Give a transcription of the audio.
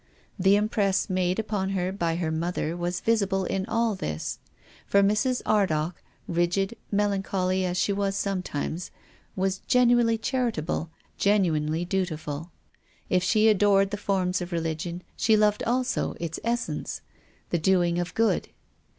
The impress made upon her by her mother was visible in all this. For Mrs. Ardagh, rigid, melancholy as she was sometimes, was genuinely charitable, genuinely dutiful. If she adored the forms of religion she loved also its essence, — the doing of good.